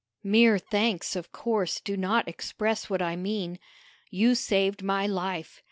"Mere thanks, of course, do not express what I mean. You saved my life.